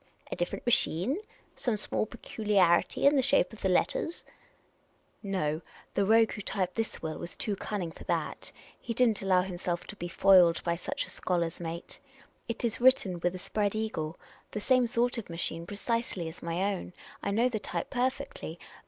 '' A different machine ? Some small peculiarity in the shape of the letters ?" NEVKK !" IIK ANSWERF.I). " NK\ KR !'" No, the rogue who typed this will was too cunning for that. He did n't allow himself to be foiled by such a scholar's mate. It is written with a Spread E:igle, the same sort of machine precisely as my own. I know the type perfectly.